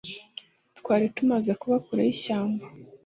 Twari tumaze kuba kure yishyamba